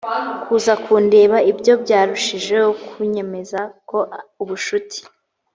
kuza kundeba ibyo byarushijeho kunyemeza ko ubucuti